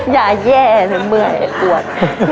ยายแย่เลยเมื่อยปวด